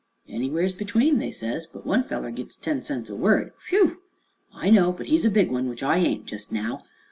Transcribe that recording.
"Anywheres between, they says. But one feller gits ten cents a word. Whew!" "I know; but he's a big one, which I ain't just now.